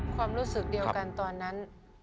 ความรู้สึกเดียวกันตอนนั้น